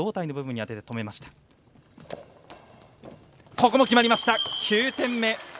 ここも決まりました、９点目！